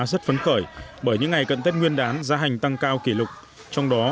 rất phấn khởi bởi những ngày cận tết nguyên đán giá hành tăng cao kỷ lục trong đó